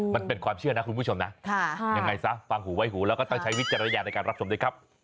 มันเป็นความเชื่อนะคุณผู้ชมนะยังไงซะฟังหูไว้หูแล้วก็ต้องใช้วิจารณญาณในการรับชมด้วยครับ